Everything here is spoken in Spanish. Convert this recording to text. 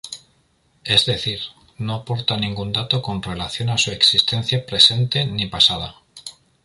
Es decir, no aporta ningún dato con relación a su existencia presente ni pasada.